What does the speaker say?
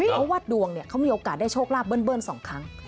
เพราะว่าดวงเนี่ยเขามีโอกาสได้โชคลาภเบิ้ล๒ครั้ง